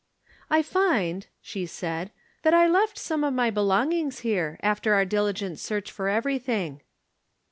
" I find," she said, " that I left some of my be longings here, after our diligent search for every thing."